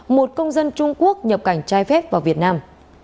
một công dân trung quốc nhập cảnh trái phép vào việt nam